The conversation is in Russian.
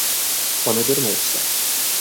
Он обернулся.